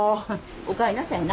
おかえりなさいな。